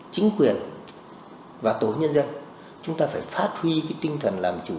chính quyền và tổ nhân dân chúng ta phải phát huy cái tinh thần làm chủ